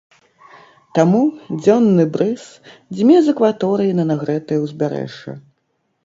Таму дзённы брыз дзьме з акваторыі на нагрэтае ўзбярэжжа.